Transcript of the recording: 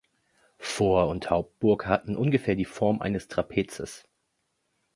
Vor- und Hauptburg hatten ungefähr die Form eines Trapezes.